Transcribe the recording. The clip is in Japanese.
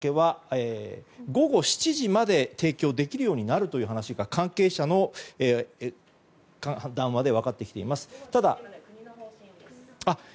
東京都の飲食店でのお酒は午後７時まで提供できるようになるという話が関係者の談話で分かってきています。